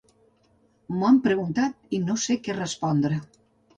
M'ho han preguntat i no sé què respondre.